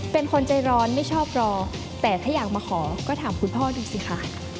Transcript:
เป็นคนใจร้อนไม่ชอบรอแต่ถ้าอยากมาขอก็ถามคุณพ่อดูสิค่ะ